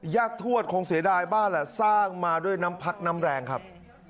ทวดคงเสียดายบ้านแหละสร้างมาด้วยน้ำพักน้ำแรงครับ